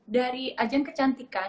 dari ajang kecantikan